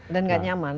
dan gak nyaman